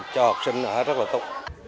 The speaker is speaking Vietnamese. cho học sinh ở rất là tốt